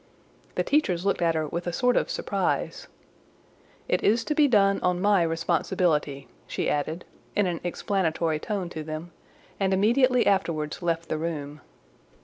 The teachers looked at her with a sort of surprise. "It is to be done on my responsibility," she added, in an explanatory tone to them, and immediately afterwards left the room.